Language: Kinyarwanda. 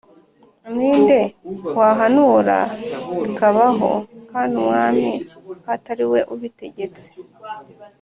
Ni nde wahanura bikabaho, Kandi Umwami atari we ubitegetse?